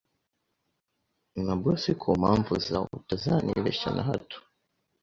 Nabwo sikumpamvu zawe utazanabyibeshya nahato